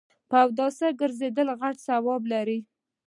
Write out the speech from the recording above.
په اوداسه ګرځیدل غټ ثواب لري